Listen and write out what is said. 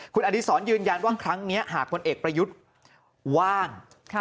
คุณอดีศรยืนยันว่าครั้งนี้หากพลเอกประยุทธ์ว่าง